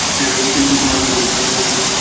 কিন্তু তোমরা কী করছো?